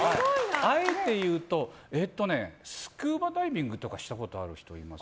あえて言うとスキューバダイビングとかしたことある人います？